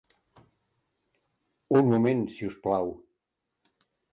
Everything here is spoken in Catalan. Un moment si us plau.